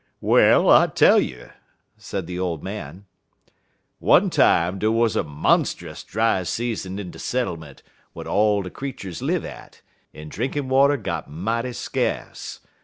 "Well, I tell you," said the old man. "One time dey wuz a monst'us dry season in de settlement whar all de creeturs live at, en drinkin' water got mighty skace.